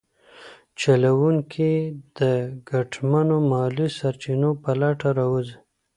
چلونکي یې د ګټمنو مالي سرچینو په لټه راوځي.